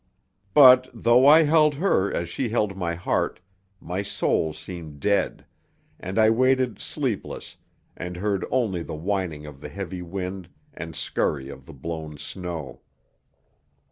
But, though I held her as she held my heart, my soul seemed dead, and I waited sleepless and heard only the whining of the heavy wind and scurry of the blown snow.